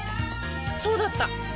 そうだった！